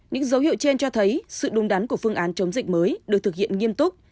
những dấu hiệu trên cho thấy sự đúng đắn của phương án chống dịch mới được thực hiện nghiêm túc